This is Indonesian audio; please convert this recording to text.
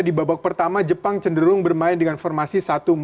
di babak pertama jepang cenderung bermain dengan formasi satu empat dua tiga satu